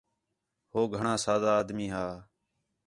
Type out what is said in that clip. ہو گھݨاں سادہ آدمی ہا